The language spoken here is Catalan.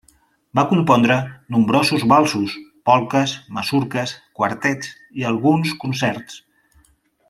Va compondre nombrosos valsos, polques, masurques, quartets i alguns concerts.